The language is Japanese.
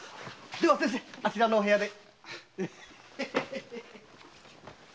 では先生あちらの部屋で。